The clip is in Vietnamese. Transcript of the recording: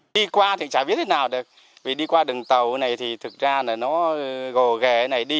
đi qua thì chả biết thế nào được vì đi qua đường tàu này thì thực ra là nó gồ ghề này đi